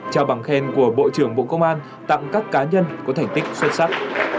trao bằng khen của bộ trưởng bộ công an tặng các cá nhân có thành tích xuất sắc